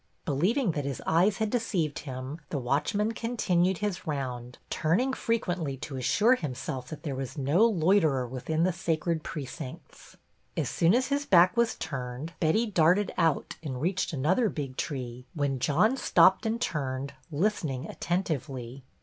Believing that his eyes had deceived him the watchman continued his round, turning frequently to assure him self that there was no loiterer within the sacred precincts. As soon as his back was turned Betty darted out and reached another big tree, when John stopped and turned, listening attentively.